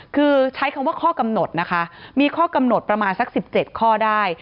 คือใช้คำว่าข้อกำหนดนะคะมีข้อกำหนดประมาณสัก๑๗ข้อได้